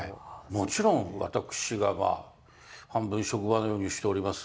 もちろん私がまあ半分職場のようにしております